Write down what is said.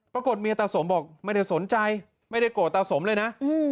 เมียตาสมบอกไม่ได้สนใจไม่ได้โกรธตาสมเลยนะ